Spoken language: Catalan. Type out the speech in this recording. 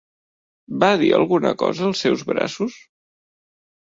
Va dir alguna cosa als seus braços?